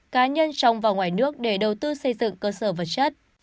cá nhân trong và ngoài nước để đầu tư xây dựng cơ sở vật chất